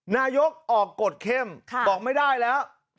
นายกออกกฎเข้มบอกไม่ได้แล้ว